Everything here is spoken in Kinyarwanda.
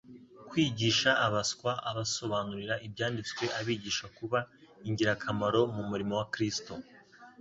kwigisha abaswa abasobanurira Ibyanditswe abigisha kuba ingirakamaro mu murimo wa Kristo.